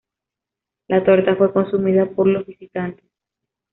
La torta fue consumida por los visitantes.